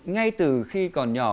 ngay từ khi còn nhỏ